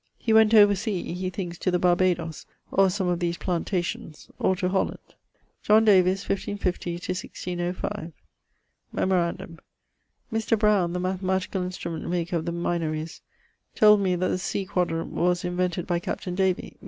He went over sea he thinkes to the Barbadoes, or some of these plantations, or to Holland. =John Davys= (1550 1605). Memorandum: Mr. Browne, the mathematicall instrument maker of the Minories, told me that the sea quadrant was invented by Captaine Davy